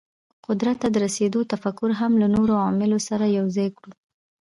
قدرت ته د رسېدو تفکر هم له نورو عواملو سره یو ځای کړو.